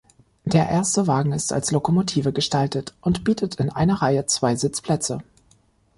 Der erste Wagen ist als Lokomotive gestaltet und bietet in einer Reihe zwei Sitzplätze.